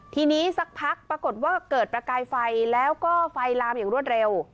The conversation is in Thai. ทีนี้สักพักปรากฏว่าเกิดประกายไฟแล้วก็ไฟลามอย่างรวดเร็ว